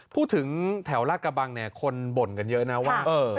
พูดถึงแถวลาดกระบังเนี่ยคนบ่นกันเยอะนะว่า